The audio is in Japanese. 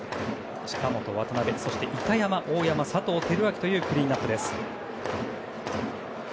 近本、渡邉、そして板山、大山佐藤輝明というクリーンアップです。